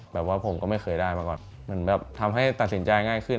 แบบว่าผมก็ไม่เคยได้มาก่อนเหมือนแบบทำให้ตัดสินใจง่ายขึ้น